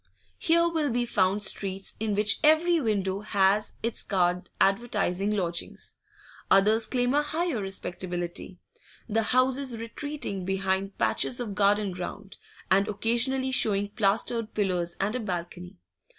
Here will be found streets in which every window has its card advertising lodgings: others claim a higher respectability, the houses retreating behind patches of garden ground, and occasionally showing plastered pillars and a balcony.